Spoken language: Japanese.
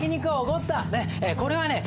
これはね